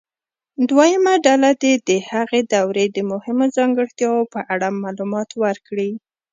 دویمه ډله دې د هغې دورې د مهمو ځانګړتیاوو په اړه معلومات ورکړي.